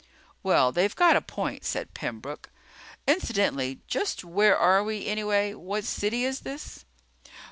"Well, they've got a point," said Pembroke. "Incidentally, just where are we, anyway? What city is this?"